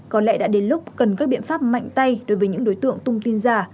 có lẽ đã đến lúc cần các biện pháp mạnh tay đối với những đối tượng tung tin giả